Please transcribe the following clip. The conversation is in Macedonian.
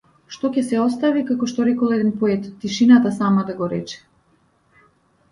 Што ќе се остави како што рекол еден поет тишината сама да го рече.